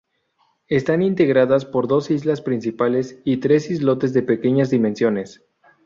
Están integradas por dos islas principales y tres islotes de pequeñas dimensiones.